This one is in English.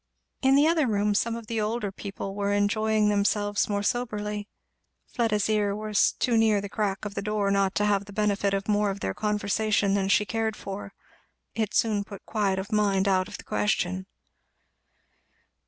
In the other room some of the older people were enjoying themselves more soberly. Fleda's ear was too near the crack of the door not to have the benefit of more of their conversation than she cared for. It soon put quiet of mind out of the question.